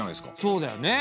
そうだよね。